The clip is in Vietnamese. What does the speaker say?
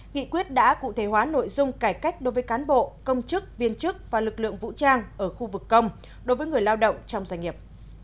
nghị quyết đã cụ thể hóa nội dung cải cách đối với cán bộ công chức viên chức và lực lượng vũ trang ở khu vực công đối với người lao động trong doanh nghiệp